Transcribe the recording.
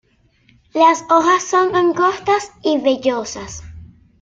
Las hojas son angostas y vellosas.